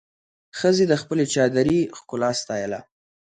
ښځې د خپلې چادري ښکلا ستایله.